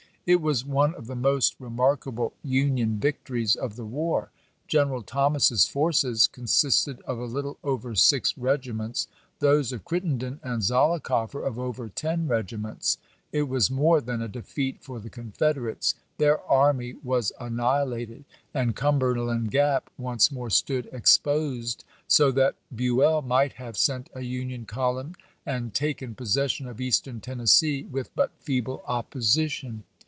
It was one of the TjjQ,jj.^gg most remarkable Union victories of the war. Gen ^^mfto™*' eral Thomas's forces consisted of a little over six Anuy of regiments, those of Crittenden and Zollicoff er of over be?iand." ten regiments. It was more than a defeat for the p 57." Confederates. Their army was annihilated, and Cumberland Gap once more stood exposed, so that Buell might have sent a Union column and taken possession of Eastern Tennessee with but feeble opposition.